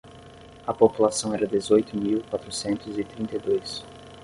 A população era dezoito mil quatrocentos e trinta e dois.